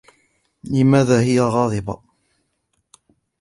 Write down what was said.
لماذا هي غاضبة؟